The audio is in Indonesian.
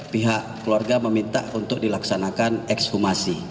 pihak keluarga meminta untuk dilaksanakan ekshumasi